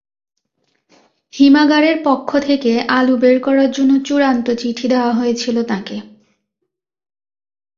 হিমাগারের পক্ষ থেকে আলু বের করার জন্য চূড়ান্ত চিঠি দেওয়া হয়েছিল তাঁকে।